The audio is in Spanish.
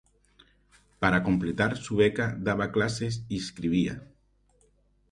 Para complementar su beca daba clases y escribía.